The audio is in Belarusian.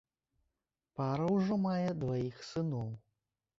Пара ўжо мае дваіх сыноў.